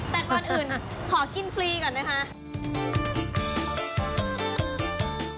แต่ก่อนอื่นขอกินฟรีก่อนนะคะ